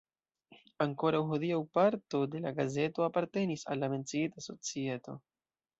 Ankoraŭ hodiaŭ parto de la gazeto apartenis al la menciita societo.